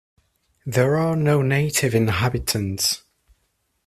There are no native inhabitants.